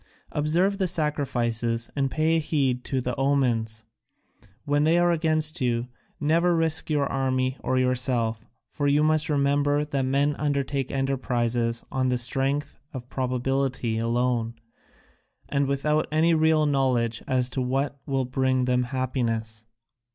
Observe the sacrifices and pay heed to the omens; when they are against you, never risk your army or yourself, for you must remember that men undertake enterprises on the strength of probability alone and without any real knowledge as to what will bring them happiness.